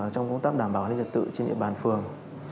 trong công tác đảm bảo an ninh trật tự trên địa bàn phường